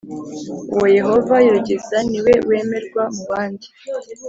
Uwo Yehova yogeza ni we wemerwa mubandi